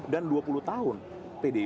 dan dua puluh tahun pdi